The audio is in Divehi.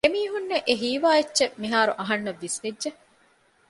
އެމީހުންނަށް އެ ހީވާ އެއްޗެއް މިހާރު އަހަންނަށް ވިސްނިއްޖެ